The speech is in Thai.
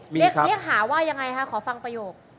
เรียกหาว่ายังไงคะขอฟังประโยค